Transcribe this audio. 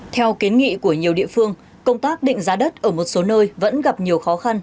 theo kiến nghị của nhiều địa phương công tác định giá đất ở một số nơi vẫn gặp nhiều khó khăn